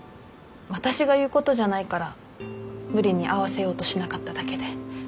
私が言うことじゃないから無理に会わせようとしなかっただけで。